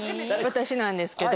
私なんですけど。